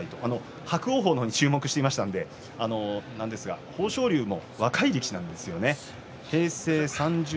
伯桜鵬に注目していましたけど豊昇龍も若い力士なんですよね。